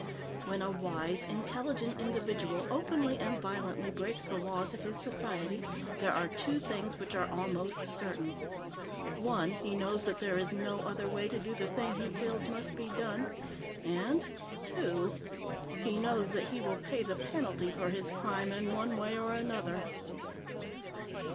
When a wise, intelligent individual openly and violently breaks the laws of his society, there are two things which are almost certain: One: he knows that there is no other way to do the thing he feels must be done, and Two: he knows that he will pay the penalty for his crime in one way or another.